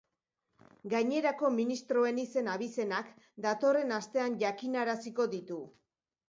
Gainerako ministroen izen-abizenak datorren astean jakinaraziko ditu.